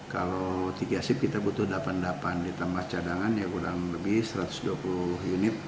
kalau tiga sip kita butuh delapan delapan ditambah cadangan ya kurang lebih satu ratus dua puluh unit